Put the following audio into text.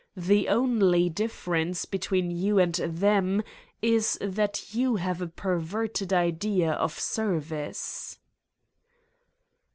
The only difference between you and them is that you have a perverted idea of service!"